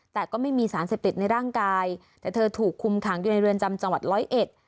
แต่ก็ไม่มีสารเสพติดในร่างกายแต่เธอถูกคุมขังอยู่ในเรือนจำจังหวัดร้อยเอ็ด